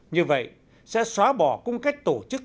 như vậy sẽ xóa bỏ cung cách tổ chức